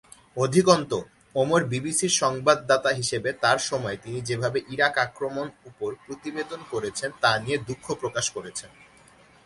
অধিকন্তু, ওমর বিবিসির সংবাদদাতা হিসাবে তাঁর সময়ে তিনি যেভাবে ইরাক আক্রমণ উপর প্রতিবেদন করেছেন তা নিয়ে দুঃখ প্রকাশ করেছেন।